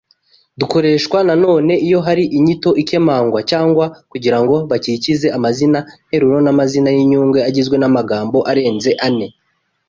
Dukoreshwa nanone iyo hari inyito ikemangwa cyangwa kugira ngo bakikize amazina nteruro n’amazina y’inyunge agizwe n’amagambo arenze ane